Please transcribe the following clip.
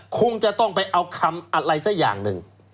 คงจะต้องไปเอาคำอะไรสักอย่างหนึ่ง